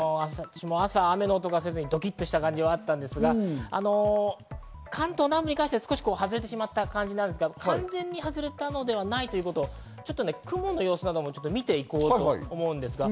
朝、雨の音がせずドキッとしたんですが、関東南部に関しては少し外れてしまった感じなんですが、完全に外れたのではないということを、雲の様子などを見て行こうと思います。